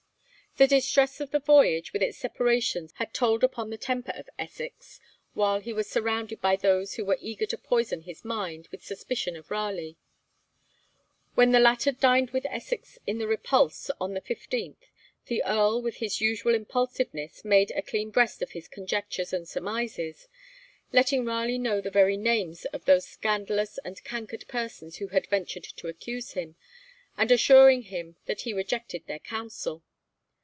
The distress of the voyage and its separations had told upon the temper of Essex, while he was surrounded by those who were eager to poison his mind with suspicion of Raleigh. When the latter dined with Essex in the 'Repulse' on the 15th, the Earl with his usual impulsiveness made a clean breast of his 'conjectures and surmises,' letting Raleigh know the very names of those scandalous and cankered persons who had ventured to accuse him, and assuring him that he rejected their counsel.